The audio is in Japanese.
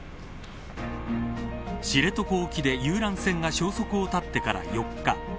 知床沖で遊覧船が消息を絶ってから４日。